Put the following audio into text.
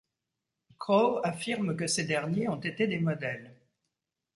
Crow affirme que ces derniers ont été des modèles.